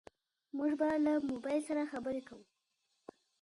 موږ به له موبايل سره خبرې کوو.